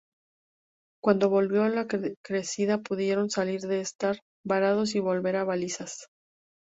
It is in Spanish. Cuando volvió la crecida pudieron salir de estar varados y volver a balizas.